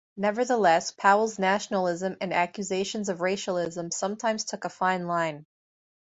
Nevertheless, Powell's nationalism and accusations of racialism sometimes took a fine line.